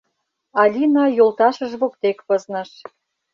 Алина йолташыж воктек пызныш.